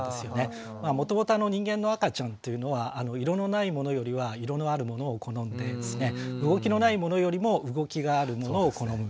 もともと人間の赤ちゃんっていうのは色のないものよりは色のあるものを好んで動きのないものよりも動きがあるものを好む。